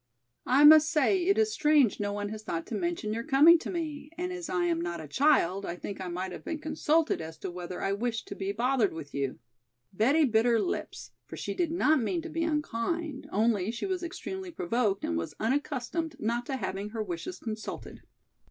"I must say it is strange no one has thought to mention your coming to me, and as I am not a child, I think I might have been consulted as to whether I wished to be bothered with you." Betty bit her lips, for she did not mean to be unkind; only she was extremely provoked and was unaccustomed not to having her wishes consulted.